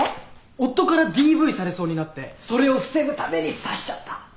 夫からＤＶされそうになってそれを防ぐために刺しちゃったとか。